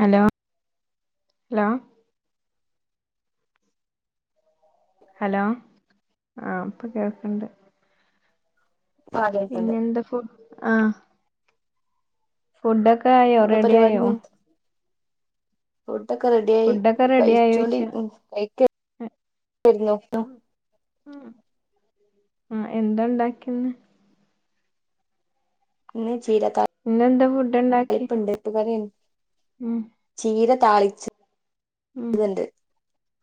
Hello hello hello ആഹ് ഇപ്പൊ കേൾക്കണ്ട് ആ കേൾക്ക്ണ്ട് പിന്നെ എന്താ ഫുഡ് ആഹ് ഫുഡൊക്കെ ആയോ റെഡി ആയോ ഫുഡ് ഡോക്കെ റെഡിയായി ഫുഡൊക്കെ റെഡി ആയോയ്ച്ച കഴിച്ചോണ്ടിരിക്കുന്നു [unintelligible] ഉം ആ എന്താ ഉണ്ടാക്കി ഇന്ന് ഇന്ന് ചീരതോരൻ ഇന്നെന്താ ഫുഡ് ഉണ്ടാക്കി തളിപ്പ് ഉണ്ട് ഉം ചീര താളിച്ച് ഉം ത്ണ്ട്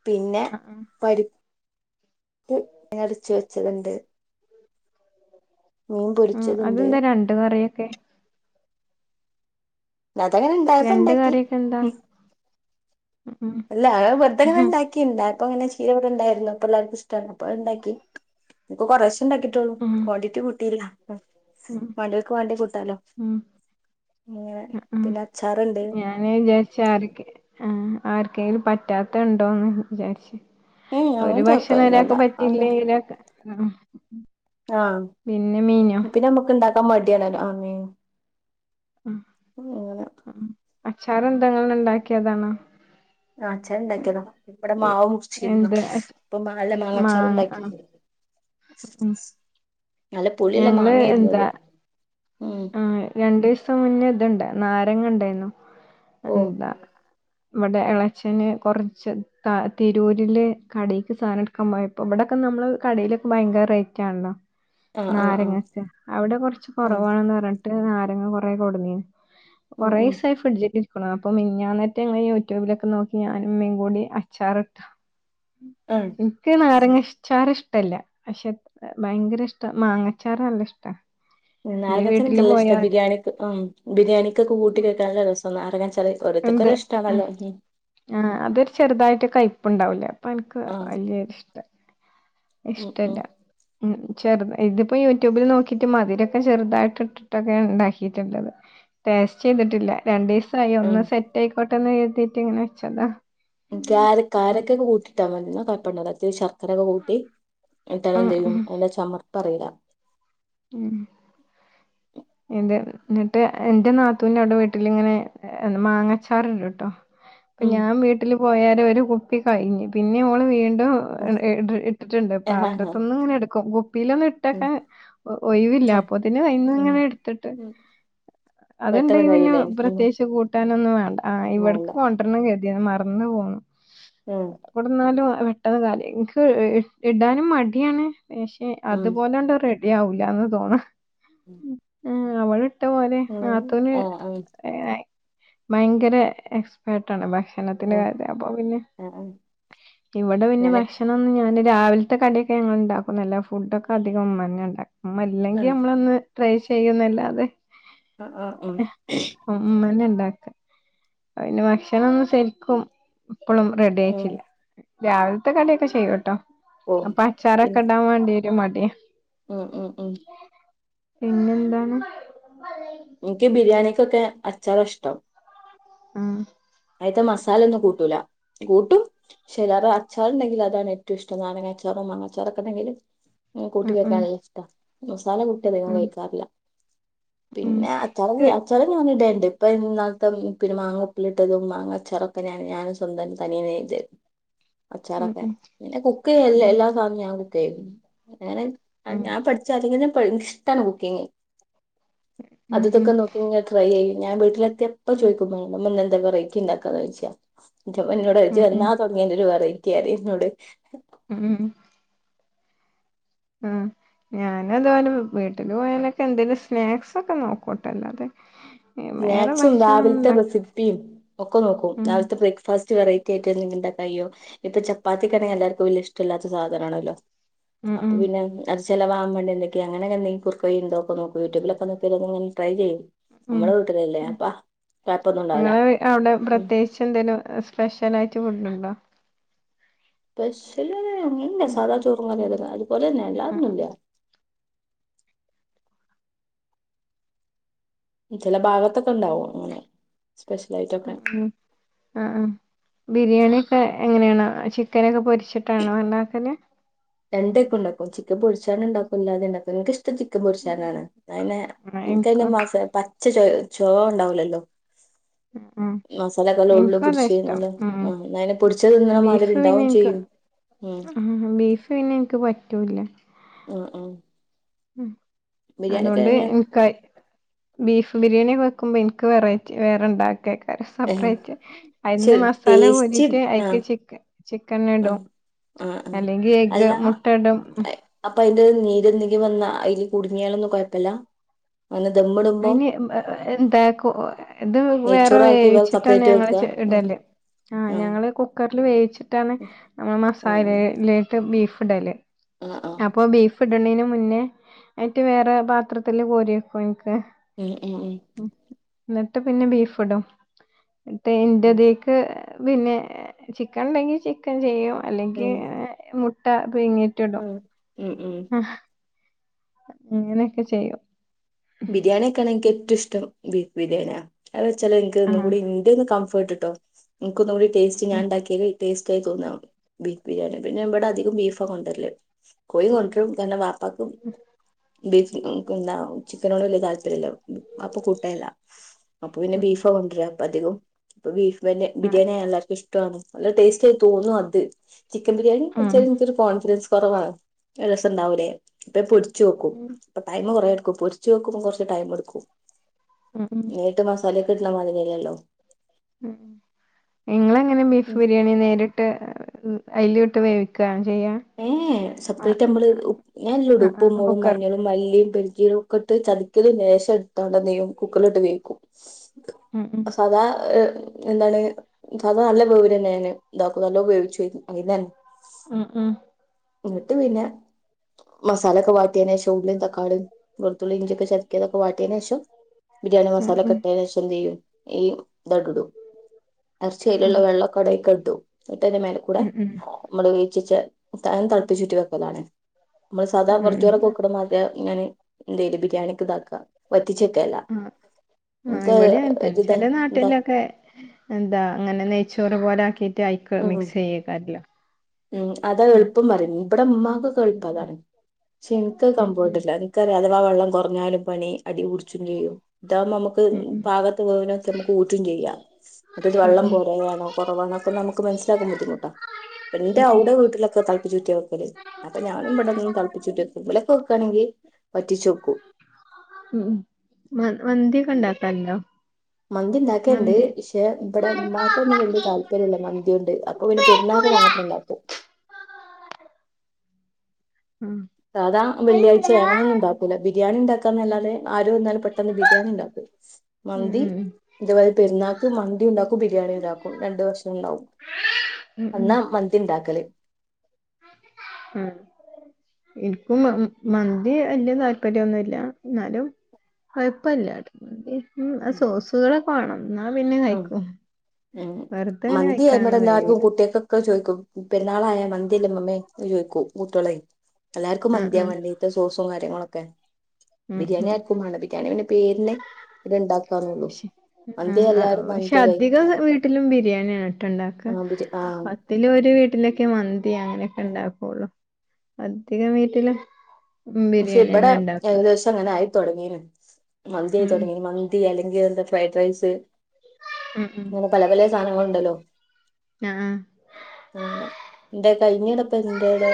പിന്നെ ആഹ് പരി പ്പ്‌ വേവിച്ചു വെച്ചതുണ്ട് ഉം പൊരിച്ചത്ണ്ട് അതെന്താ രണ്ട് കറിയൊക്കെ അതങ്ങനെ ഇണ്ടായപ്പോ രണ്ട് ഉണ്ടാക്കി കറിയൊക്കെ എന്താ ഉം ഉം അല്ല അവ വെറ്തെങ്ങനെ ഉം ഉണ്ടാക്കിണ്ട അപ്പൊ ഇങ്ങനെ ചീര ഇവിടെ ഉണ്ടായിരുന്നു അപ്പൊ എല്ലാർക്കും ഇഷ്ടാ ണ് അപ്പൊ എണ്ടാക്കി ഇനിക്കും കൊറേ ഇഷ് ഉണ്ടാക്കിട്ടോള്ളൂ ഉം ഉം ക്വാണ്ടിറ്റി കിട്ടിയില്ല ഉം ഉം മടികൾക്ക് വേണ്ടി കൂട്ടാലോ അങ്ങനെ ഉം ഉം പിന്നെ അച്ചാറ്ണ്ട് ഞാനേ വിചാരിച്ച ആരൊക്കെ ആ ആർക്കെങ്കിലും പറ്റാത്ത ഉണ്ടോന്ന് ഏ ഒരു അങ്ങനത്തെ ഭക്ഷണം കൊഴപ്പൊന്നുല്ല ഒരാക്ക് പറ്റിയില്ലേ ഒരാക്ക് ആ ആഹ പിന്നെ നമ്മുക്ക് ഇണ്ടാക്കാൻ മടിയണല്ലോ ആ മീ അങ്ങനെ അച്ചാറ് എന്ത ഇങ്ങളെന്നെ ഉണ്ടാക്കിയതാണോ ആ അച്ഛാണ്ടാക്കിയതാ ഇവിടെ മാവ് മുറിച്ചിരുന്നു എന്ത് അച് അപ്പൊ മാവിലേ മാങ്ങാച്ചാറ് മാങ്ങ ഉണ്ടാക്കി ആഹ് ഉം നല്ല പുളിയുള്ള ഞങ്ങള് മാങ്ങായിരുന്നു അത് എന്താ ഉം ആ രണ്ടീസം മുന്നേ ഇത്ണ്ട് നാരങ്ങ ഇണ്ടായിന്നു ഓ എന്താ ഇവിടെ ഇളച്ചന് കൊറച്ച് തിരൂരില് കടേക്ക് സാധനം എടുക്കാൻ പോയപ്പോ ഇവി ഇതൊക്കെ നമ്മള് കടയിലൊക്കെ ഭയങ്കര റേറ്റ് ആണലോ ആഹ് ആഹ് ആഹ് നാരങ്ങക്കെ അവിടെ കൊറച്ച് ആഹ് കൊറവാണെന്ന് പറഞ്ഞിട്ട് നാരങ്ങ കൊറെ കൊടുന്നീ ഉം ഉം കൊറേസ ആയി ഫ്രി അപ്പൊ മിനിഞ്ഞാനത്തെ ഞങ്ങൾ യൂട്യൂബിലൊക്കെ നോക്കി ഞാനും ഉമ്മീം കൂടി അച്ചാർ ഇട്ട ആഹ് ഇൻക്ക് നാരങ്ങ ച്ചാർ ഇഷ്ടല്ല പക്ഷെ ഭയങ്കര ഇഷ്ട മാങ്ങച്ചാറ് നല്ല ഇഷ്ട നാരങ്ങച്ചനക്കല്ല ഇഷ്ടം ബിരിയാണിക്ക് മ് ബിരിയാണിക്കെ കൂട്ടി കഴക്കാനുള്ള രസം നാരങ്ങ എന്ത് ഉം ആ അതൊരു ചെറുതായിട്ട് കയ് പ്പുണ്ടാവൂല അപ്പൊ എൻക്ക് ആഹ് വല്ല്യൊരിഷ്ട ഉം ഇഷ്ടല്ല. ഉം ഉം ചെറുതാ ഇതിപ്പോ യൂട്യൂബിൽ നോക്കിയിട്ട് മതിരൊക്കെ ചെറുതായിട്ട് ഇട്ടിട്ടൊക്കെ ഇ ണ്ടാക്കിയിട്ടുള്ളത്. ടേസ്റ്റ് ചെയ്തിട്ടില്ല രണ്ടു ദിവസായി ഉം ഒന്ന് സെറ്റ് ആയിക്കോട്ടെന്ന് കരുതിയിട്ട് ഇങ്ങനെ വെച്ചതാ അഞ്ചാറു ഉം കാരക്കെ ക്കെ കൂട്ടിട്ടാ മതി എന്നാ കൊഴപ്പം ഉണ്ടാവുല്ല മധുരൊക്കെ കൂട്ടി എന്നിട്ട് അത് ഉം എന്ത്‌ ചെയ്യും ഉം അതിന്റെ ചമർപ്പ് അറില. ഉം ഇത് എന്നിട്ട് എന്റെ നാത്തൂന്റെ അവിടെ വീട്ടിലിങ്ങനെ മാങ്ങച്ചാറുണ്ട് ട്ടോ അപ്പൊ ഉം ഞാൻ വീട്ടില് പോയാൽ ഒരു കുപ്പി കഴിഞ്ഞു പിന്നെ ഓൾ വീ ഉം [unintelligible] ഇട്ടിട്ടുണ്ട് ആഹ് ആഹ് പാത്രത്തൊന്നും ഇങ്ങനെ എടുക്കും കുപ്പിയിലൊന്നും ഉം ഇട്ടക്കാൻ ഒഴിവില്ല ആ അപ്പൊ ഉം അയിന്ന്ങ്ങനെ എടുത്തിട്ട് അത്ണ്ടേ പെട്ടെന്ന് പിന്നെ കഴിയില്ലേ ഉം പ്രത്യേകിച്ച് കൂട്ടാനൊന്നും വേണ്ട ആ ആല്ല ഇവട്ക്ക് കൊണ്ടരണം ക മറന്ന് പോന്നു ഉം ഇവ്ടെ നിന്നാലും പെട്ടെന്ന് കാല് എനിക്ക് ഇടാനും മടിയാണ് പക്ഷെ ഉം അതുപോലെണ്ട റെഡി [unintelligible] ആവില്ലാന്ന തോന്ന അവൾ ഇട്ട പോലെ ആഹ് നാത്തൂന് ആഹ് ഭയങ്കര എക്സ്പേട്ടാണ് [unintelligible] ആഹ് പിന്നെ ആഹ് ആഹ് ഇവിടെ പിന്നെ ഞാന് ഭക്ഷണംന്നും ഞാന് രാവിലത്തെ കടിയൊക്കെ ഞങ്ങൾ ഇണ്ടാക്കും അല്ല ഫുഡ്‌ ഒക്കെ അധികം ഉമ്മ തന്നെയാ ഉണ്ടാ ഉമ്മ ഇല്ലെങ്കിൽ നമ്മൾ ഒന്ന് ട്രൈ ചെയ്യുന്നല്ലാതെ അ ആ ഉം അയിന് ഭക്ഷണന്നും സെര്ക്കും ഇപ്പളും ഉം റെഡിയകീല്ല രാവില്ത്തെ കടിയൊക്കെ ചെയ്യുട്ടോ ഓ അപ്പൊ അച്ചാറൊക്കെ പിന്നെ ഇടാൻ വേണ്ടി ഒരു മടിയാ ഉം ഉം ഉം പിന്നെന്താണ്. എനിക്ക് ബിരിയാണിക്കൊക്കെ അച്ചാറ ഇഷ്ടം ആ അയിത്തെ മസാല ഒന്നും കൂട്ടൂല്ല കൂട്ടും പക്ഷെ അയ്ലേറെ അച്ചാറുണ്ടെങ്കിൽ അതാണ് ഏറ്റവും ഇഷ്ടം നാരങ്ങ അച്ചാറ്. മങ്ങച്ചാറൊക്കെയുണ്ടെങ്കിൽ കൂട്ടി ഉം ഉം കൊയിക്കാനല്ലിഷ്ട മസാല കുട്ടി അധികം ഉം കഴിക്കാറില്ല ഉം പിന്നെ അച്ചാറ് ക്ക് അച്ചറ് നമ്മൾ ഇടണ്ട് ഇപ്പൊ ഇന്നാളത്തെപിന്നെ മാങ്ങഉപ്പി ഇട്ടതും മാങ്ങച്ചറുക്ക ഞാനും സ്വന്തം തനിയ നേത ഉം അച്ചാറൊക്കെ ഉം പിന്നെ കുക്ക് ഉം എല്ലാ സാധനവും ഞാൻ കുക്ക് ചെയ്യും അങ്ങനെ ഉം ഞാൻപഠിച്ചഅതു പിന്നെ ഇഷ്ടമാണ് കുക്കിങ് ഉം അതും ഉം ഇതുമൊക്കെ നോക്കി ട്രൈ ചെയ്യും ഞാൻ വീട്ടിലെത്തിയപ്പോ ഉം ചോദിക്കും വേണ്ട വെറൈറ്റി ഉണ്ടാക്കാന്ന് ചോദിച്ചാ എന്നോട് ഉം എന്നാ ഉം തുടങ്ങിയന്റെ ഒരു വറൈറ്റി പറയും എന്നോട് ഉം ഉം ഞാന അതുപോലെ വീട്ടില് പോയാനൊക്കെ എന്തെലും സ്നാക്സ്ക്കെ നോക്കുട്ടൊ അല്ലാതെ ഉ സ്നാക്സും രാവിലത്തെ റെസിപ്പിയും ഒക്കെ നോക്കും ഉം രാവിലത്തെ ബ്രേക്ക്ഫാസ്റ്റ് വെറൈറ്റി ആയിട്ട എന്തെങ്കിലും ഇണ്ടാക്കാൻ കഴിയോ ഇപ്പ ചപ്പാത്തിക്ക്ണെങ്ക എല്ലർക്കും വലിയ ഇഷ്ടല്ലാത്ത സാധനമാണല്ലോ ഉം അപ്പൊ ഉം പിന്നെ അത് ചെലവാകാൻ വേണ്ടി എ അങ്ങനെന്തോ ഇണ്ടോന്ന് നോക്കും യൂടൂബിലൊക്കെ നോക്കി അത്ങ്ങനെട്രൈ ചെയ്യും നമ്മള വീട്ടിലല്ലേ അപ്പാ നിങ്ങള് അവിടെ പ്രത്യേകിച്ച് എന്തേലും സ്പെഷ്യൽ ആയിട്ട് ഫുഡ്ണ്ടോ സ്പെഷൽ ഇല്ല ഉം സാദാ ചോറുംങ്ങനെതന്നെഅതുപോലെ തന്നെ ആഹ് അല്ലതൊന്നുംല്ല ചില ഭാഗത്തൊക്കെ ഉണ്ടാവും അങ്ങനെ സ്പെഷ്യൽ ആയിട്ടൊക്കെ ഉ ആ ബിരിയാണിഒക്കെ എങ്ങനെയാണ് ചിക്കനൊക്കെ പൊരി [unintelligible] രണ്ടും ഉണ്ടാക്കും ചിക്കൻ പൊരിച്ചാണ് ഉണ്ടാക്കും അല്ലാത ഉണ്ടാക്കും നിങ്ങൾക്ക് ഇഷ ഇഷ്ടംചിക്കൻ പൊരിച്ചനാണ് ആഹ് എനിക്കും അതിന്റെപച്ച ചുവ ഉണ്ടാവൂലല്ലോ [unintelligible] ഉ മസാലക്കെല്ലാം ഉള്ളിൽ എനിക്ക് അതാ പിടിച്ച് ഇഷ്ടം നല്ല ഉ ആ അതിനെ പൊടിച്ചത് തിന്നണ മാതിരി ബീഫ്പിന്നെ ഉണ്ടാവും എനിക്ക് ചെയ്യും ഉം ആ ബീഫ് പിന്നെ എനിക്ക് പറ്റൂല ഉംഉം അതുകൊണ്ട് ബീഫ് ബിരിയാണി വെക്കുമ്പോൾ എനിക്ക് വെറൈറ്റ വേറെ ഉണ്ടാക്കുക പക്ഷെ സെപ്പറേറ്റ് അതിന്ന് മസാല ടേസ്റ്റ് കോരീട്ട് അതിലേക്ക് ആഹ് ചിക്കൻ ചിക്കൻ ഇടും ആഹ് ആഹ് ആഹ് അല്ലെങ്കി എഗ് അല്ല മുട്ട ഇടും [inaudible] വന്ന അതിൽ കുടുങ്ങിയാലൊന്നും കുഴപ്പില്ല അതിന് എന്താ ഇത് വേറെ നെയ്ച്ചോറാക്കി വേറെ വേവിച്ചിട്ടാണ് സെപ്പറേറ്റ് ഞങ്ങൾ വെക്ക ആഹ് ഇടല് ആ ആഹ് ഞങ്ങൾ കുക്കർ കുക്കറിൽ വേവിച്ചിട്ടാണ് ആഹ് മസാലയിലേക്ക് ബീഫ് ഇടല് ആഹ് ആഹ് അപ്പോ ബീഫ് ബീഫ് മുന്നേ ആയിട്ട് വേറെ പാത്രത്തില്ൽ കോരിയക്കും എനിക്ക് ഉം. [unintelligible] എന്നിട്ട് പിന്നെ ബീഫ ഇടും എന്നട്ട് ഇന്റതേക്ക് പിന്നെ ചിക്കൻ ഉണ്ടെങ്കിൽ ചിക്കൻ ചെയ്യും അല്ലെങ്കിൽ ഉം മുട്ട പുഴുങ്ങീട് ഉം ഉം ഉം ആഹ് അങ്ങനെയൊക്കെ ചെയ്യും ബിരിയാണിയക്കെയാണ് എനിക്ക് ഏറ്റവും ഇഷ്ടബീഫ് ബിരിയാണിയ അത് വെച്ചാല് എനക്ക്ന്നും ആഹ് കൂടി ഇന്റെയ ഒന്ന് കംഫർട്ടിട്ടോനക്ക് ഒന്നും കൂടി ടേസ്റ്റ് ഞാ ഉം ഉണ്ടാക്കിയല് ടേസ്റ്റ് ആയി തോന്നാം ബീഫ് ബിരിയാണി പിന്നെ ഇവിടെ അധികം ബീഫാ കൊണ്ടര്‌ല് കോഴി ഉം കൊറും തന്നെ വാപ്പാക്ക് ബീഫ് നമു [unintelligible] അപ്പൊ കൂട്ടല്ല അപ്പൊ പിന്നെ ഉം, ബീഫ കൊണ്ടുവരാ അപ്പ അധികം ഇപ്പ ബീഫ് ആ, അധികവുബീഫിനബിരിയാണിയ എല്ലാവർക്കും ഇഷ്ടമാണ് നല്ല ടേസ്റ്റ് ആയ തോന്നും അത് ചിക്കൻ ബിരിയാണി ഉം, വെച്ചാൽ എനിക്കൊരു കോൺഫിഡൻസ് കുറവാണ് ഒരു രസം ഉണ്ടാവൂലേ ഇപ്പൊ പൊരിച്ച് വെക്കും ഉം, അപ്പൊ ടൈമ കൊറെ എടുക്കും പൊരിച്ച് വെക്കുമ്പോ കുറച്ച് ടൈം എടുക്കും ഉം, ഉം, ഏട്ടു മസാല [inaudible] ഉ നിങ്ങളങ്ങനെ ബീഫ് ബിരിയാണി നേരിട്ട് അതിലിട്ട് വേവിക്കുക ഏ സബ്ക്റ്റ് നമ്മള് ഉല്ലോ ആഹ് ഉപ്പ ആഹ് മോളും കുക്കർ മഞ്ഞളും മല്ലിയും [inaudible] ചതിക്കല് മേശം എടുത്താണ്ട നെയ്യും കുക്കറില ഇട്ട് വേക്കും ഉം ഉം സദാ ഏ എന്താണ് സാധാരണ നല്ല വേവന് തന്നെ ഞാന് ഇതാക്കും നല്ല ഉപയോഗിച്ചു അന്ന തന്നെ ഉം ഉം എന്നിട്ട് പിന്നെ മസാലൊക്കെ വാട്ടിയതിനന് ശേഷം ഉള്ളിയും തക്കാളിയും വെുത്തുള്ളി ഇഞ്ചിയൊക്കെ ചെുക്കിയതൊക്കെ വാട്ടിയതിനന് ശേഷം ബിരിയാണി ഉം ഉം മസാലഇട്ടതിനുശേഷം എന്ത് യ്യും ഈ ഇടടും ഉം [inaudible] വെള്ളക്കടയി കണ്ടു ഇട്ടതി മേല കൂടെ ഉം നമ്മൾ ഉീച്ച തൻ തളുപ്പിച്ചുറ്റി വെക്കലാണ് നമ്മള് സാധാരണ ഉം കുറച്ച്രെ ഉം കൊെക്കുമ മാതിയാ ഞാാന് എന്തേലും ബിരിയാണിക്ക് ഇതാക്ക അല്ല ആ ഇവിടെ അ തന്നെ ചില നാട്ടിലൊക്കെ എന്താ അങ്ങനെ നെയ്ച്ചോറ് പോലെ ആക്കി അയക്ക് ഉം മിക്സ്ചെയ്യൂ കാരല്ലേ ഉം അതാ എളുപ്പം പറ ഇവിടെ ഉമ്മാക്കൊക്കെ എളുപ്പം ഉം ആകാരം പക്ഷെ എനിക്ക് ഉം ഉം കമ്പോട്ടില്ല എനിക്കറിയ അഥവാ വെള്ളം കുറഞ്ഞാലും പണി അടി പിടിക്കും ചെയ്യും ഇതാ നമുക്ക് ഉം ഉം പാകത്ത് പോവനൊക്കെ നമുക്ക് ഊറ്റും ചെയ്യാം മറ്റേ ഇത് ഉം ഉം ഉം ഉം വെള്ളം പോരാണോ കുറവാണോ ഒക്കെ നമുക്ക് മനസ്സിലാക്കും ബുദ്ധിമുട്ടാ അപ്പ എന്റെ ഉം അവിടെ വീട്ടിലൊക്കെ തളപ്പ ചുറ്റി വെക്കല് അപ്പൊ ഞാനും ഇവിടന്നന്ന് തളപ്പ ചുറ്റിെക്കുമ്പിലൊക്കെ വെക്കയാണെങ്കിൽ ഉ മന്തിയൊക്കെഉണ്ടാക്കാലാണ്ടോ മന്തി ഉണ്ടാക്കുണ്ട് പക്ഷെ ഇവിടെ ഉമ്മാക്കൊന്നും വലിയ താല്പര്യമല്ല മന്തി ഉണ്ട് അപ്പൊ പെരുന്നാൾ ങ്ങത്രല്ല ആഹ് സാധാ വെള്ളിയാഴ്ച വേനൊന്നും ഉണ്ടാക്കൂല ബിരിയാണി ഉണ്ടാക്കാന്നല്ലാതെ ആരോ എന്നാലും പെട്ടെന്ന് ബിരിയാണി ഉണ്ടാക്കും ഉം മന്തി ഉം അതപോലെ പെരുന്നാക്ക് മന്തി ഉണ്ടാക്കും ബിരിയാണി ഇണ്ടാക്കും രണ്ടു വർഷംണ്ടാവും ഉം ഉം അന്നാ മതി ഉണ്ടാക്കല് ഉം എനപ്പും മന്തി വല്യ താല്പര്യൊന്നുമല്ല എന്നാലും കൊഴപ്പല്ലട്ട സോസുകളെണം ഉ ഉ വെറുതെ ഇങ്ങനെ മന്തി നമ്മടെ കഴിക്കാനൊന്നും എല്ലാവർക്കും കഴിയൂല കുട്ടികക്കൊക്കെ ചോദ പെരുന്നാളായ മന്തില്ല മമ്മേ ചോദിക്കൂ കൂട്ടികളെ എല്ലാർക്കും ആഹ് മന്തിയാ ആഹ് വേണ്ടേ ഇത്ത ദോസവും കാര്യങ്ങളൊക്കെ ഉം ബിരിയാണി ഉം ആക്കും വേ ബിരിയാണിന്റെ പേരിനെ ഇത് ഇണ്ടാക്കാന്നള്ളു പക്ഷെ പക്ഷെ അധിക വീട്ടിലും ബിരിയാണിയാണ്ട്ടണ്ടാക്ക ആഹ് ബിരി ആഹ് പത്തില വീട്ടില മന്തി അങ്ങനെയൊക്കെ ഉണ്ടാക്കള്ളു അധികം വീട്ടില ഉ പക്ഷെ ബിരിയാണി ഇവിടെ തന്നെ ഉണ്ടാക്കും ഏകദേശം അങ്ങനെ ആയിത്തടങ്ങീ മന്തി ആയി ഉം തുടങ്ങീ മന്തി അല്ലെങ്കിൽ എന്താ ഫ്രൈഡ് റൈസ് ഉം ഉം അങ്ങനെ പല പല സാധനങ്ങളുണ്ടല്ലോെ ആ ആ എന്റെ കഴിഞ്ഞടപ്പ എന്റെടെ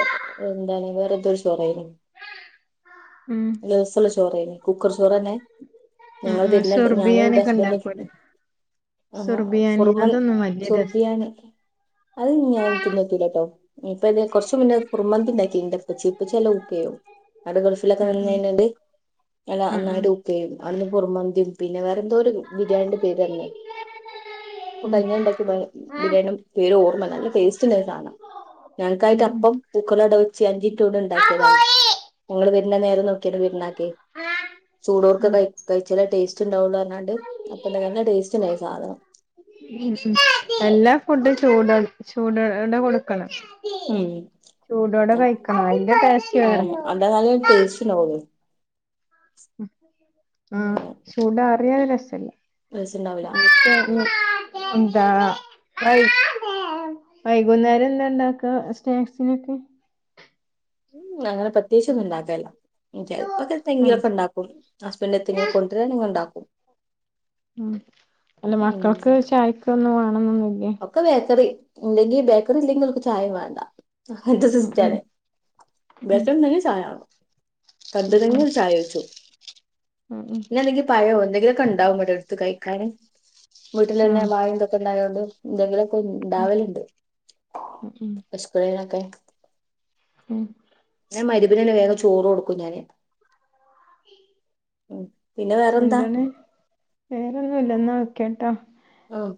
എന്താണ് വേറെന്തോ ചോറയ ഉം രസുള്ള ചോറനി കുക്കർ ചോറന്നെ ഞങ്ങ ഉം ഉം വരുന്ന ഞാനും സുർബിയാനൊക്കെ ഉസ്ബ ഇണ്ടാക്കൂലേ ആഹ സുർബിയാനി ഫുർമൽ അതൊന്നും വല്യ രസ സുർബിയണി അത് ഞാൻ തിന്നോക്കല കേട്ടോ ഇപ്പൊ ഇ കൊറച്ചുന്നെ കുർമന്തിണ്ട പച്ചി ഇപ്പൊ ചല ഉക്കയോ അവിടെ ഗൾഫിലൊക്കെ ആ വന്ന ആ കഴിഞ്ഞാല് ഞ ആ ആ നന്നായിട്ട് ഉപ്പയും അവിന്ന് പുറമന്തിയും പിന്നെ വേറെ എന്തോ ഒരു ബിരിയാണിയുടെ പേര് തെ അപ്പൊ ഉം കഴിഞ്ഞണ്ടാക്കി ബിരിയാണിയം പേര് ഓർമ്മ നല്ല ടേസ്റ്റിനെ ആണ് ഉം ഞങ്ങൾക്കായിട്ട് ഉം അപ്പം പൂക്കലോടെ വെച്ച് അഞ്ചിറ്റൂടെ ഉണ്ടാക്കിയതാണ് ഞങ്ങള്ൾ വരുന്ന നേരം നോക്കിയാണ് വരണാക്കെ ചൂടോർക്ക ഉം ക കഴിച്ചാല ടേസ്റ്റ് ഉണ്ടാവുള്ള അപ്പൊ എന്ത ടേസ്റ്റായി സാധനം ചൂട ചൂടടെ കൊടുക്കണം ഉം ചൂടോടെ കഴിക്കണം അതിന്റെ ടേസ്റ്റ് ആ വേറെ അന്താ നാല ടേസ്റ്റ് പോോ ആഹ ചൂട അറിയാതെ രസല്ല ടേസ്റ്റ് ഉണ്ടാവൂല ശ എന്താ വൈകുന്നേരം എന്താ ഉണ്ടാക്ക സ്നാക്സിനൊക്കെ ഉം അങ്ങനെ പ്രത്യാേകിച്ച് ഒന്നും ഉണ്ടാക്കല്ല ചെലപ്പൊക്കെ എന്തെങ്കിലും ഉം ഒക്കെ ഉണ്ടാക്കും ഹസ്ബൻഡ് എങ്കിലും കൊണ്ടുവരാാനെങ്ക ഉണ്ടാക്കും ഉ അല്ല ഉം മക്കൾക്ക് ചായക്ക് ഒന്നും വേണന്നൊന്നുല്ലേ ഒക്കെ ബേക്കറി ഇല്ലെങ്കി ബേക്കറി ഇല്ലെങ്കിൽ ഒക്ക ചായയും വേണ്ട എന്റെ ഉം ഉം സിസ്റ്ററെ ഉം ബേക്കറി ഉണ്ടെങ്കിൽ ചായണോ കണ്ടുതെങ്കി ഉം ചായ വെച്ചോ ഉം ഉം ഇന്ന എന്തെങ്കിലും പഴോ എന്തെങ്കിലും കണ്ടാവും കഴിക്കാനും വീട്ടിൽ തന്നെ ആഹ് വായന്തൊക്കെ ഉണ്ടായത കൊണ്ട് എന്തെങ്കിലും ഉം ഉണ്ടാവലുണ്ട് ഉം പച്ചക്കളിലൊക്കെ ആഹ മരുപിന തന്നെ വേഗം ചോറ് കൊടുക്കും ഞാന്ൻ ഉം [unintelligible] ആഹ് എന്താണ് വേറെന്നും ഇല്ല എന്നാ നോക്കട്ടോ ആഹ്